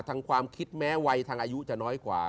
ความคิดแม้วัยทางอายุจะน้อยกว่า